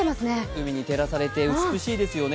海に照らされて美しいですよね。